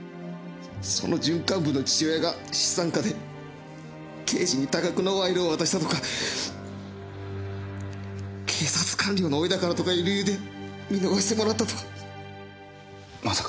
その準幹部の父親が資産家で刑事に多額の賄賂を渡したとか警察官僚の甥だからとかいう理由で見逃してもらったとか。